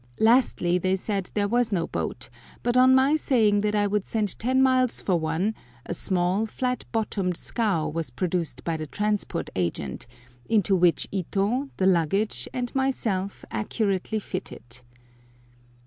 Lastly, they said there was no boat, but on my saying that I would send ten miles for one, a small, flat bottomed scow was produced by the Transport Agent, into which Ito, the luggage, and myself accurately fitted.